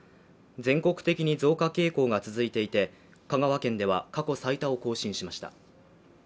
全国的に増加傾向が続いていて香川県では過去最多を更新しました。